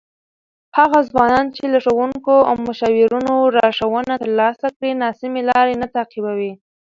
هغه ځوانان چې له ښوونکو او مشاورینو لارښوونه ترلاسه کړي، ناسمې لارې نه تعقیبوي.